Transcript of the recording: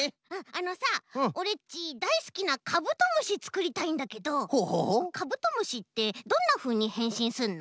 あのさオレっちだいすきなカブトムシつくりたいんだけどカブトムシってどんなふうにへんしんすんの？